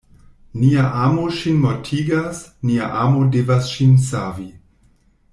Nia amo ŝin mortigas: nia amo devas ŝin savi.